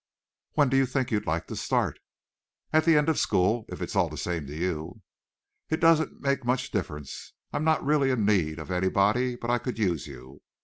"When do you think you'd like to start?" "At the end of school, if it's all the same to you." "It doesn't make much difference. I'm not really in need of anybody, but I could use you.